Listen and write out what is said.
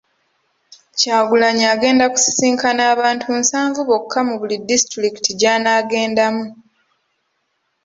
Kyagulanyi agenda kusisinkana abantu nsanvu bokka mu buli disitulikiti gy'anaagendamu.